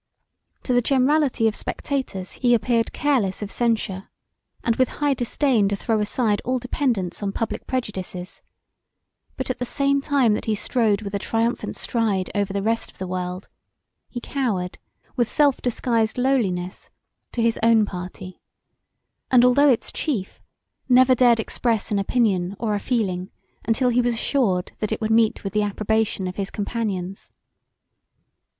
To the generality of spectators he appeared careless of censure, and with high disdain to throw aside all dependance on public prejudices; but at the same time that he strode with a triumphant stride over the rest of the world, he cowered, with self disguised lowliness, to his own party, and although its [chi]ef never dared express an opinion or a feeling until he was assured that it would meet with the approbation of his companions.